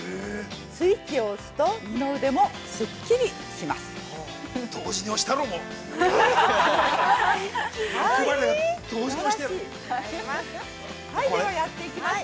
スイッチを押すと二の腕もすっきりします。